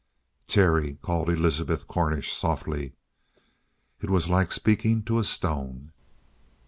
"Terry!" called Elizabeth Cornish softly. It was like speaking to a stone.